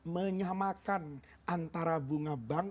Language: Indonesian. menyamakan antara bunga bang